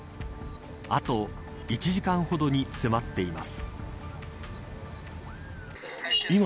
あと１時間ほどに迫っています。